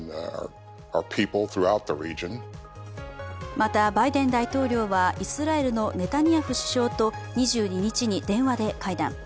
また、バイデン大統領は、イスラエルのネタニヤフ首相と２２日に電話で会談。